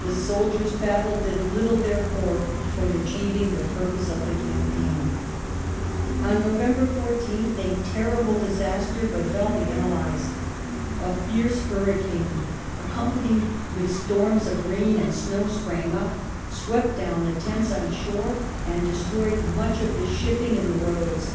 The " soldiere' battle " did little, therefore, towards achieving the purpose of the campaign. The great On November 14th a terrible disaster befell the allies. A fierce Nol °^ hurricane, accompanied with storms of rain and snow, sprang up, 14th swept down the tents on shore and destroyed much of the shipping in the roads.